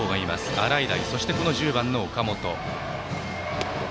洗平とこの１０番の岡本。